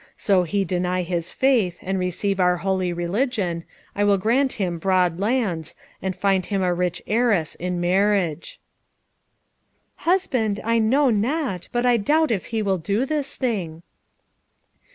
So he deny his faith, and receive our holy religion, I will grant him broad lands, and find him a rich heiress in marriage." "Husband, I know not, but I doubt if he will do this thing."